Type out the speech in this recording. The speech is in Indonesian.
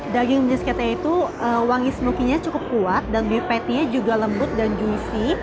daging brisketnya itu wangi smokinya cukup kuat dan beef pattynya juga lembut dan juicy